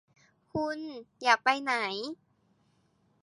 คุณอยากไปไหน